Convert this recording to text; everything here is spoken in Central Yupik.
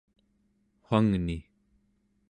wangni